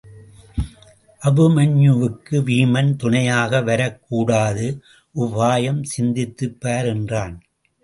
அபிமன்யுவுக்கு வீமன் துணையாக வரக் கூடாது உபாயம் சிந்தித்துப் பார் என்றான்.